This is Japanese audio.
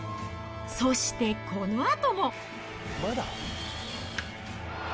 そしてこのあとも。